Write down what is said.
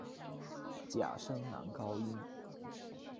假声男高音。